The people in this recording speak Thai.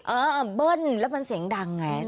เออเบิ้ลแล้วมันเสียงดังไง